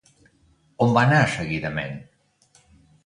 On va anar seguidament?